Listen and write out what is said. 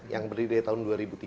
yang berdiri dari tahun dua ribu tiga